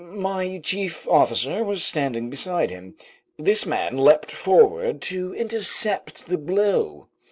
My chief officer was standing beside him. This man leaped forward to intercept the blow.